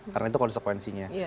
karena itu konsekuensinya